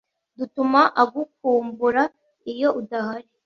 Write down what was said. dutuma agukumbura iyo udahari,